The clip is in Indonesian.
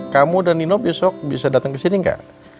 kamu dan nino besok bisa datang ke sini enggak